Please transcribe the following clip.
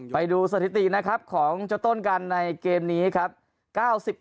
ไปดูสถิตินะครับของเจ้าต้นกันในเกมนี้ครับ